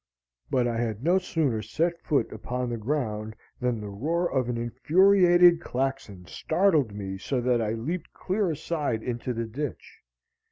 But I had no sooner set foot upon the ground than the roar of an infuriated claxon startled me so that I leaped clear aside into the ditch.